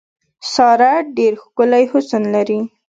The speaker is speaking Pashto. ساره ډېر ښکلی حسن لري.